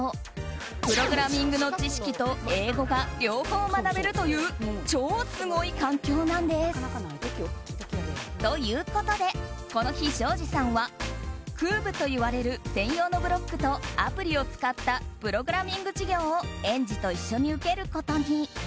プログラミングの知識と英語が両方学べるという超すごい環境なんです。ということで、この日庄司さんはＫＯＯＶといわれる専用のブロックとアプリを使ったプログラミング授業を園児と一緒に受けることに。